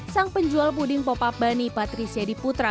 sang penjual puding pop up bunny patricia diputra